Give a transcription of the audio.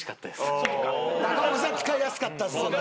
中岡さん使いやすかったですよね。